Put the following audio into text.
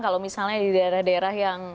kalau misalnya di daerah daerah yang